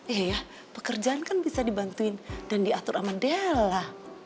iya ya pekerjaan kan bisa dibantuin dan diatur sama dia lah